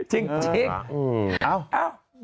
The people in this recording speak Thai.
เยอะอย่างนี้